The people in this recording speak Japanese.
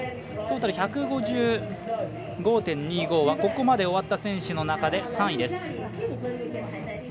トータル１５５．２５はここまで終わった選手の中で３位です。